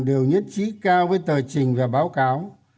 đều nhất trí cao với tờ trình và báo cáo